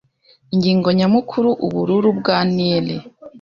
Ingingo nyamukuru: Ubururu bwa Nili